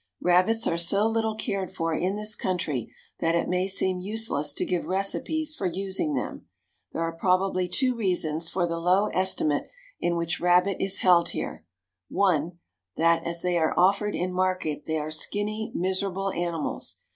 Rabbits are so little cared for in this country that it may seem useless to give recipes for using them. There are probably two reasons for the low estimate in which rabbit is held here. One, that as they are offered in market they are skinny, miserable animals.